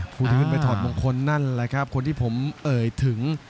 คุณขึ้นไปถอดมงคลนั่นแหละครับคนที่ผมเอ่ยถึง